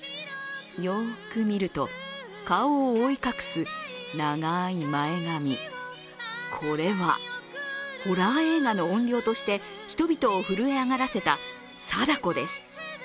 よく見ると、顔を覆い隠す長い前髪これは、ホラー映画の怨霊として人々を震え上がらせた貞子です。